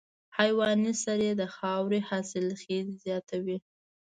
حیواني سرې د خاورې حاصلخېزي زیاتوي.